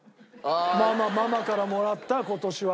ママからもらった今年は。